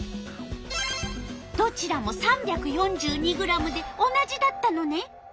どちらも３４２ｇで同じだったのね。